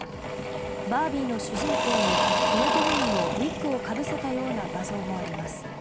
「バービー」の主人公にキノコ雲のウィッグをかぶせたような画像もあります。